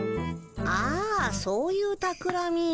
あそういうたくらみ。